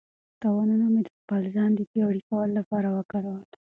تاوانونه مې د خپل ځان د پیاوړي کولو لپاره وکارول.